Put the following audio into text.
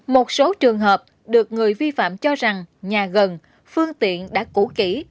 một số trường hợp được người vi phạm cho rằng nhà gần phương tiện đã cũ kỹ